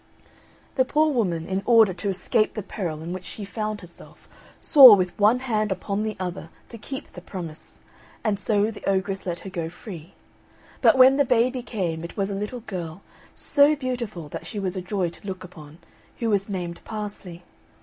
The poor woman, in order to escape the peril in which she found herself, swore, with one hand upon the other, to keep the promise, and so the ogress let her go free. But when the baby came it was a little girl, so beautiful that she was a joy to look upon, who was named Parsley.